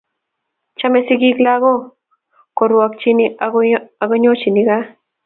Chame sigik lagok, korwokchi ak konyochi kat.